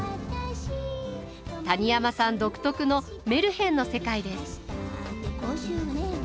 谷山さん独特のメルヘンの世界です。